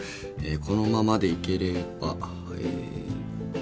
このままでいければえ。